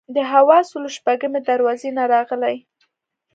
د حواسو له شپږمې دروازې نه راغلي.